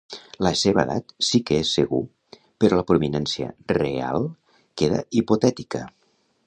La seva edat sí que és segur, però la provinença reial queda hipotètica.